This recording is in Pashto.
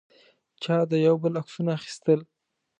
چا د یو بل عکسونه اخیستل.